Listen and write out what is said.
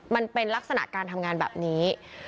มันเป็นลักษณะการทำงานแบบนี้